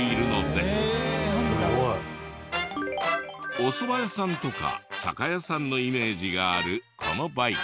すごい。おそば屋さんとか酒屋さんのイメージがあるこのバイク。